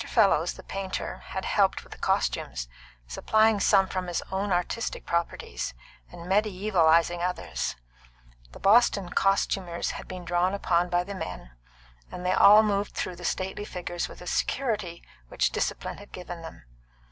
Fellows, the painter, had helped with the costumes, supplying some from his own artistic properties, and mediævalising others; the Boston costumers had been drawn upon by the men; and they all moved through the stately figures with a security which discipline had given them.